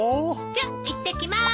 じゃいってきます。